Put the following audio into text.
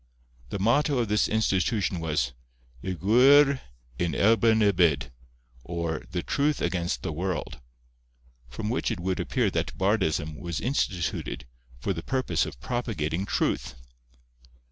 The motto of this institution was—'Y Gwir yn erbyn y byd,' or The Truth against the world; from which it would appear that bardism was instituted for the purpose of propagating truth.